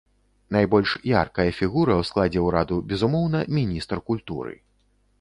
Найбольш яркая фігура ў складзе ўраду, безумоўна, міністр культуры.